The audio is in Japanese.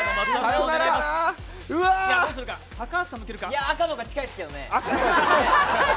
いや、赤の方がちかいですけどね！